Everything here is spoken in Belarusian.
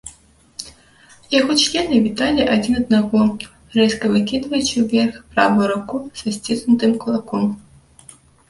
Яго члены віталі адзін аднаго, рэзка выкідваючы ўверх правую руку са сціснутым кулаком.